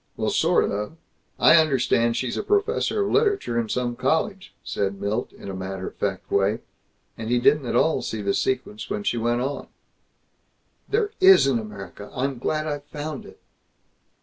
Well, sort of. I understand she's professor of literature in some college," said Milt, in a matter of fact way. And he didn't at all see the sequence when she went on: "There is an America! I'm glad I've found it!"